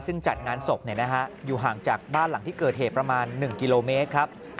ซึ่งจัดงานศพอยู่ห่างจากบ้านหลังที่เกิดเหตุประมาณ๑กิโลเมตรครับ